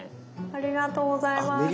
ありがとうございます。